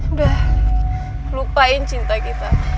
udah lupain cinta kita